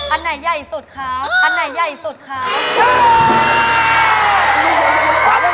อันไหนใหญ่สุดคะอันไหนใหญ่สุดคะ